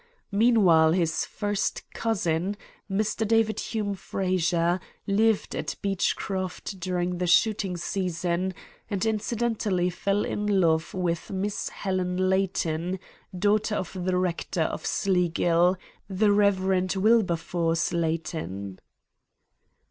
Meanwhile his first cousin, Mr. David Hume Frazer, lived at Beechcroft during the shooting season, and incidentally fell in love with Miss Helen Layton, daughter of the rector of Sleagill, the Rev. Wilberforce Layton."